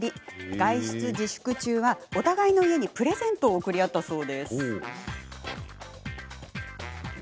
外出自粛中は、お互いの家にプレゼントを贈り合ったそう。